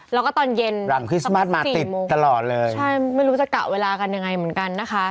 แล้วก็ตอนเย็น๔โมงใช่ไม่รู้จะเก่าเวลากันยังไงเหมือนกันนะคะ